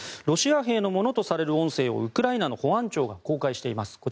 ロシア兵のものとされる音声をウクライナの保安庁が公開しています。